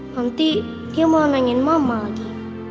nanti dia mau nangin mama lagi